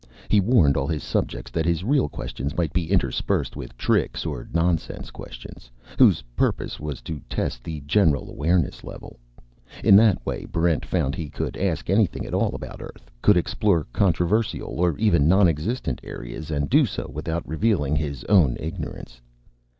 He warned all his subjects that his real questions might be interspersed with tricks or nonsense questions, whose purpose was to test the general awareness level. In that way, Barrent found he could ask anything at all about Earth, could explore controversial or even nonexistent areas, and do so without revealing his own ignorance.